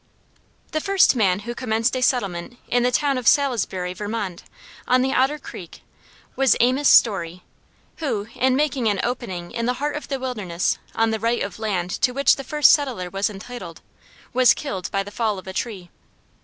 The first man who commenced a settlement in the town of Salisbury, Vermont, on the Otter Creek, was Amos Storey, who, in making an opening in the heart of the wilderness on the right of land to which the first settler was entitled, was killed by the fall of a tree.